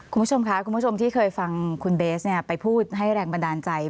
คุณผู้ชมค่ะคุณผู้ชมที่เคยฟังคุณเบสไปพูดให้แรงบันดาลใจ